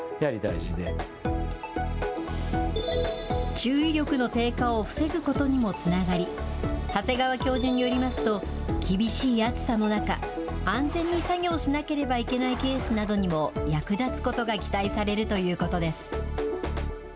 注意力の低下を防ぐことにもつながり、長谷川教授によりますと、厳しい暑さの中、安全に作業しなければいけないケースなどにも役立つことが期待されるということです。